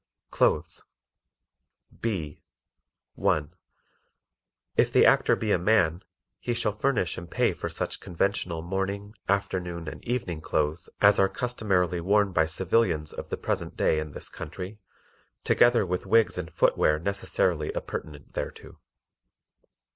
Clothes B. (1) If the Actor be a man, he shall furnish and pay for such conventional morning, afternoon and evening clothes as are customarily worn by civilians of the present day in this country, together with wigs and footwear necessarily appurtenant thereto.